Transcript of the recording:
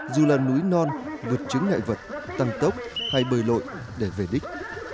dù là núi non vượt chứng ngại vật tăng tốc hay bơi lội để về đích